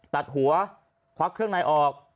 ตัดหัวควักเครื่องในออก